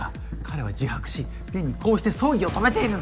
彼は自白し現にこうして葬儀を止めている。